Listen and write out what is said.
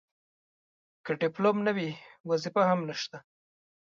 که ډیپلوم نه وي وظیفه هم نشته.